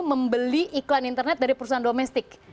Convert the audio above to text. membeli iklan internet dari perusahaan domestik